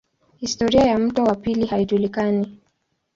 Historia ya mto wa pili haijulikani.